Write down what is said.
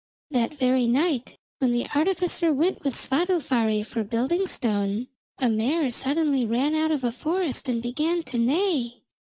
That very night, when the artificer went with Svadilfari for building stone, a mare suddenly ran out of a forest and began to neigh.